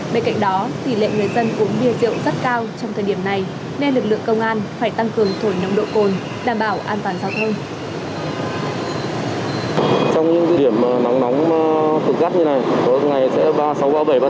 bên cạnh đó tỷ lệ người dân uống bia rượu rất cao trong thời điểm này nên lực lượng công an phải tăng cường thổi nồng độ cồn đảm bảo an toàn giao thông